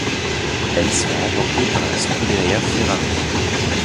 Elles sont remportées par la Scuderia Ferrari.